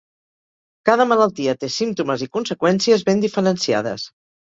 Cada malaltia té símptomes i conseqüències ben diferenciades.